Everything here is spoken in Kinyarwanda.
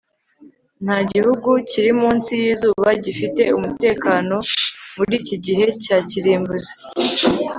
nta gihugu kiri munsi yizuba gifite umutekano muri iki gihe cya kirimbuzi